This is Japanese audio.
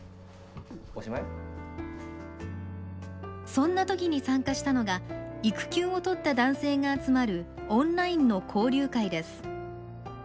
そんなときに参加したのが育休を取った男性が集まるオンラインの交流会です。